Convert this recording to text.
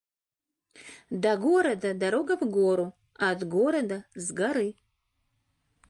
До города дорога в гору, от города — с горы.